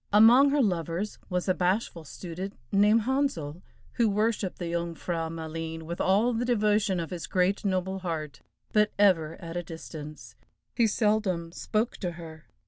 Among her lovers was a bashful student named Handsel, who worshiped the Jung frau Maleen with all the devotion of his great noble heart, but ever at a distance. He seldom spoke to her.